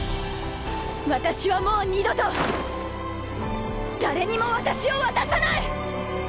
私はもう二度と誰にも私を渡さない！